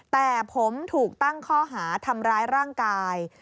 แต่ผมถูกตั้งข้อหาทำร้ายร่างกาย